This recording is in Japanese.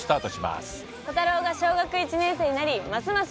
コタローが小学１年生になりますます